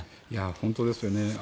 本当ですよね。